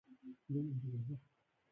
زه نور خوراک نه شم کولی موړ شوم